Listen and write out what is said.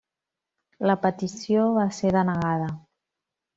La petició va ser denegada.